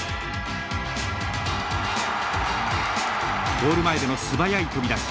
ゴール前での素早い飛び出し。